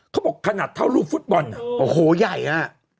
เขาบอกขนาดเท่าลูกฟุตบอลน่ะโอ้โหใหญ่อ่ะ